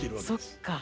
そっか。